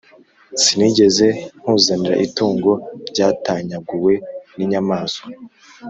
Sinigeze nkuzanira itungo ryatanyaguwe n inyamaswa